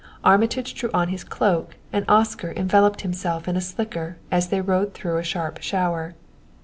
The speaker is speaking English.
Armitage drew on his cloak and Oscar enveloped himself in a slicker as they rode through a sharp shower.